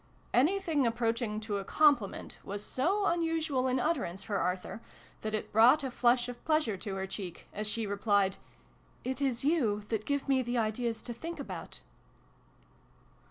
Anything approaching to a compliment was so unusual an utterance for Arthur, that it brought a flush of pleasure to her cheek, as she replied " It is you, that give me the ideas to think about."